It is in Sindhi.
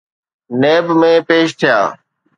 نيب ۾ پيش ٿيا.